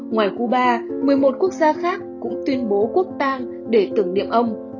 ngoài cuba một mươi một quốc gia khác cũng tuyên bố quốc tang để tưởng niệm ông